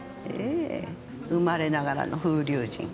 ええ生まれながらの風流人。